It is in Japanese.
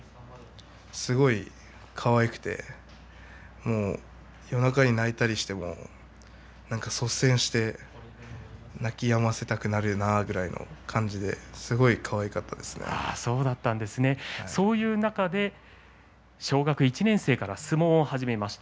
すごいかわいくてもう、夜中に泣いたりしても率先して泣きやませたくなるなぐらいの感じでそういう中で小学１年生から相撲を始めました。